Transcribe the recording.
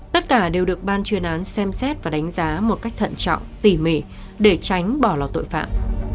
tất cả đều được ban chuyên án xem xét và đánh giá một cách thận trọng tỉ mỉ để tránh bỏ lọt tội phạm